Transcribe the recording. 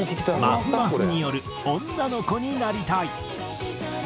まふまふによる『女の子になりたい』。